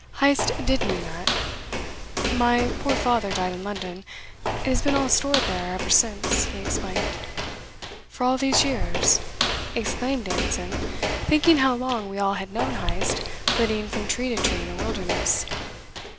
Heyst did mean that. "My poor father died in London. It has been all stored there ever since," he explained. "For all these years?" exclaimed Davidson, thinking how long we all had known Heyst flitting from tree to tree in a wilderness.